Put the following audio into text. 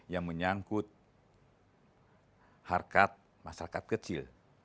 yang menyangkut harkat masyarakat kecil